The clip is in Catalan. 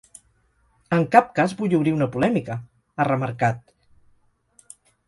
En cap cas vull obrir una polèmica, ha remarcat.